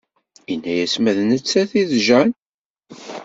Yenna-yas ma d nettat i d Jane.